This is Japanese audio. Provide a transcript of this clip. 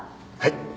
はい。